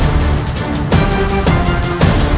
aku akan pergi ke istana yang lain